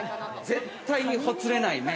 ◆絶対にほつれない麺。